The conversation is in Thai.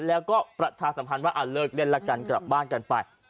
แล้วก็ประชาสัมพันธ์ว่าเลิกเล่นละกันกลับบ้านกันไป